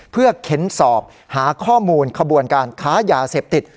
เพื่อเค้นสอบหาข้อมูลขบวนการค้ายาเสพติด